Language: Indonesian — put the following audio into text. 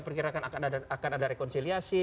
perkirakan akan ada rekonsiliasi